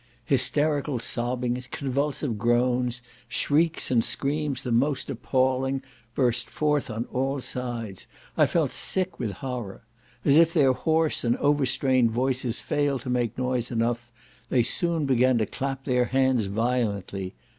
Hysterical sobbings, convulsive groans, shrieks and screams the most appalling, burst forth on all sides. I felt sick with horror. As if their hoarse and over strained voices failed to make noise enough, they soon began to clap their hands violently.